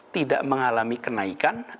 tidak mengalami kenaikan